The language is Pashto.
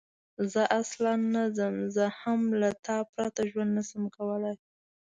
زه اصلاً نه ځم، زه هم له تا پرته ژوند نه شم کولای.